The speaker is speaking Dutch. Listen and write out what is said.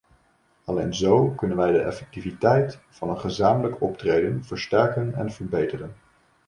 Alleen zo kunnen wij de effectiviteit van een gezamenlijk optreden versterken en verbeteren.